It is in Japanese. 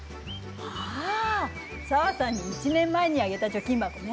ああ紗和さんに１年前にあげた貯金箱ね。